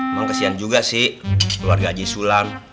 emang kesian juga sih keluarga haji sulam